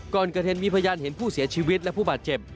ก่อนเกิดเหตุมีพยานเห็นผู้เสียชีวิตและผู้บาดเจ็บ